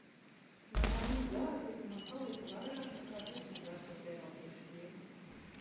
No mammas dārziņa man palika vairāk nekā desmit veco peoniju šķirņu.